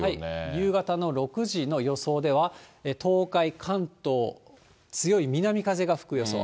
夕方の６時の予想では、東海、関東、強い南風が吹く予想。